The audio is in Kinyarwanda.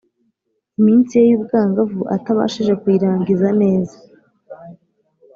iminsi ye y’ubwangavu atabashije kuyirangiza neza,